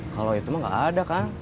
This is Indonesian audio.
kalau itu mah gak ada kan